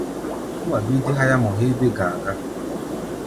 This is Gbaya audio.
Ó ŋma bíí dé háyámɔ héé bé-ga̧a̧ gá.